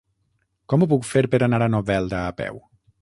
Com ho puc fer per anar a Novelda a peu?